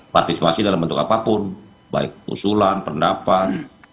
partisipasi dalam bentuk apapun baik usulan pendapat